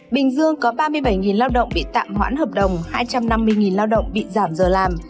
bình dương có ba mươi bảy lao động bị tạm hoãn hợp đồng hai trăm năm mươi lao động bị giảm giờ làm